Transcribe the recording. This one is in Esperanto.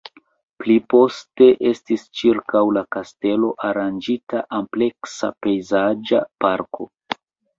Pli poste estis ĉirkaŭ la kastelo aranĝita ampleksa pejzaĝa parko.